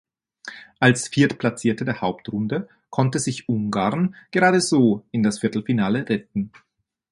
Als Viertplatzierte der Hauptrunde konnte sich Ungarn gerade so in das Viertelfinale retten.